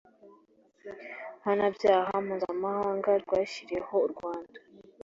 mpanabyaha mpuzamahanga rwashyiriweho u rwanda